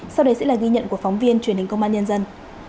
sau đây sẽ là ghi nhận của phóng viên truyền hình công an nhân dân